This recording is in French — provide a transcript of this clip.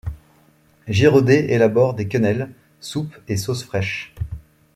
Giraudet élabore des quenelles, soupes et sauces fraîches.